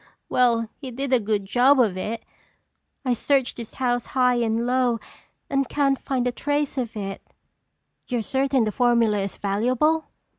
"Well, he did a good job of it! I've searched this house high and low and can't find a trace of it." "You're certain the formula is valuable?"